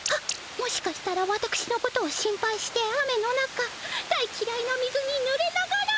もしかしたらわたくしのことを心配して雨の中大きらいな水にぬれながら。